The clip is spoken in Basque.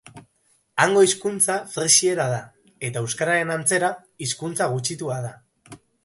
Hango hizkuntza frisiera da eta, euskararen antzera, hizkuntza gutxitua da.